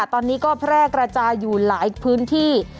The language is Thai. ตอนนี้ก็แพร่กระจายอยู่หลายพื้นที่